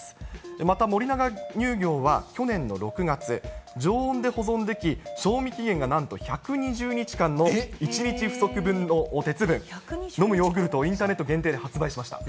また森永乳業は去年の６月、常温で保存でき、賞味期限がなんと１２０日間の１日不足分の鉄分のむヨーグルトをインターネット限定で発売しました。